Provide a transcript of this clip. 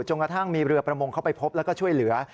กระทั่งมีเรือประมงเข้าไปพบแล้วก็ช่วยเหลือ